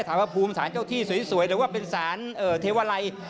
ถามว่าภูมิสารเจ้าที่สวยหรือว่าเป็นสารเทวาลัย